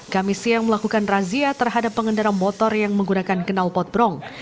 kami siang melakukan razia terhadap pengendara motor yang menggunakan kenal potbrong